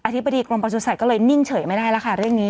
ธิบดีกรมประสุทธิ์ก็เลยนิ่งเฉยไม่ได้แล้วค่ะเรื่องนี้